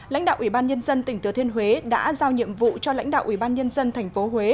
lãnh đạo ủy ban nhân dân tỉnh thừa thiên huế đã giao nhiệm vụ cho lãnh đạo ủy ban nhân dân tp huế